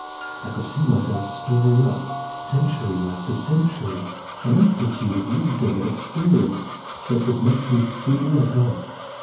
I could see myself storing up, century after century, an amplitude of wisdom and experience that would make me truly a god.